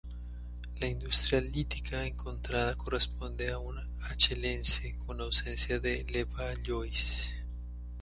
La industria lítica encontrada corresponde a un Achelense con ausencia de Levallois.